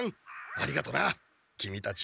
ありがとなキミたち。